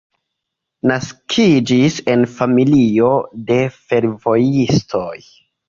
Naskiĝis en familio de fervojistoj.